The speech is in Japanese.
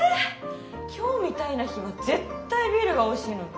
今日みたいな日は絶対ビールがおいしいのに。